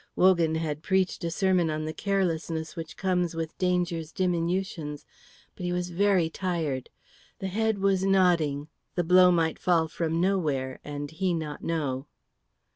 Wogan had preached a sermon on the carelessness which comes with danger's diminutions, but he was very tired. The head was nodding; the blow might fall from nowhere, and he not know.